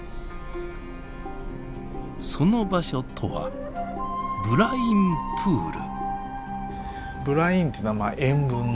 その場所とはブラインプール。